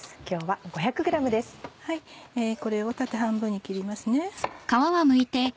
これを縦半分に切ります。